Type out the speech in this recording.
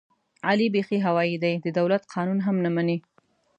علي بیخي هوایي دی، د دولت قانون هم نه مني.